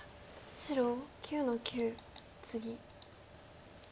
白９の九ツギ。